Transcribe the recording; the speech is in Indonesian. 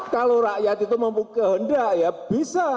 kalau rakyat itu mempunyai kehendak ya bisa